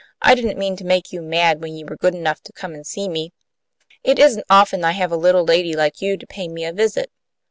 "I didn't mean to make you mad, when you were good enough to come and see me. It isn't often I have a little lady like you pay me a visit."